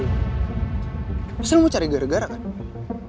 maksudnya mau cari gara gara kan